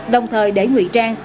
đồng thời để nguy trang